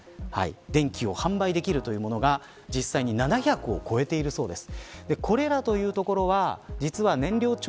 電気を販売できるというものが実際に７００を超えているそうです。